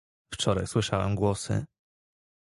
"Wczoraj słyszałem głosy."